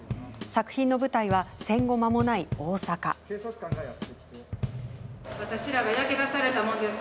作品の舞台は戦後まもない大阪です。